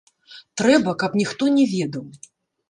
Трэба, каб ніхто не ведаў.